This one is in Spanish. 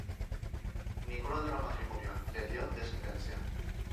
Ninguno de los matrimonios le dio descendencia.